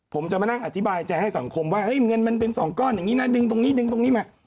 ผมจะมานั่งอธิบายใจให้สังคมว่าเงินมันเป็นสองก้อนอย่างนี้นะดึงตรงนี้ดึงตรงนี้มา